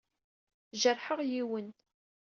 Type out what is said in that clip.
Jerḥeɣ yiwen.